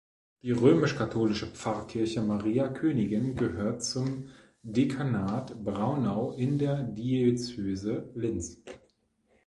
Die römisch-katholische Pfarrkirche Maria Königin gehört zum Dekanat Braunau in der Diözese Linz.